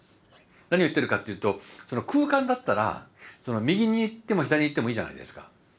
何を言ってるかっていうと空間だったら右に行っても左に行ってもいいじゃないですか。